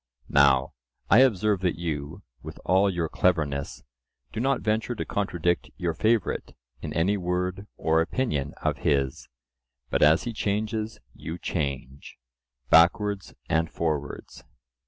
Now, I observe that you, with all your cleverness, do not venture to contradict your favourite in any word or opinion of his; but as he changes you change, backwards and forwards.